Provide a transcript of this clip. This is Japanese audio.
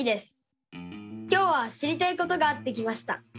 今日は知りたいことがあって来ました。